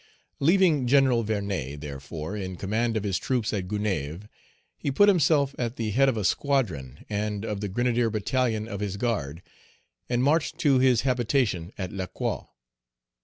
Leaving General Vernet, therefore, in command of his troops at Gonaïves, he put himself at the head of a squadron and of the grenadier battalion of his guard, and marched to his habitation at Lacroix.